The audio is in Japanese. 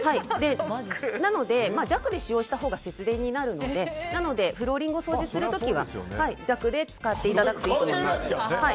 なので、弱で使用したほうが節電になるのでフローリングを掃除する時は弱で使っていただくといいと思います。